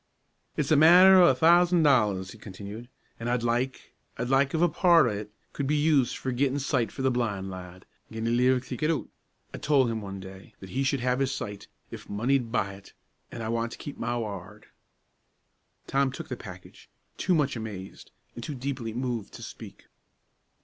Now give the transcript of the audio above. "It's a matter o' a thousan' dollars," he continued, "an' I'd like I'd like if a part o' it could be used for gettin' sight for the blin' lad, gin he lives to get oot. I told him, one day, that he should have his sight, if money'd buy it an' I want to keep ma ward." Tom took the package, too much amazed, and too deeply moved to speak.